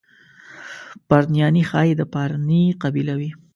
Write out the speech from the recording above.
پرنیاني ښایي د پارني قبیله وي.